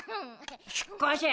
しっかし